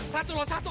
satu loh satu